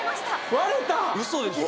割れたウソでしょ？